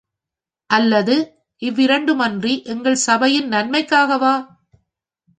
அல்லது இவ்விரண்டுமன்றி எங்கள் சபையின் நன்மைக்காகவா?